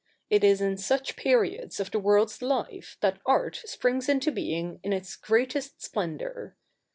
It is in such periods of the world's life that art springs into being in its greatest splendour.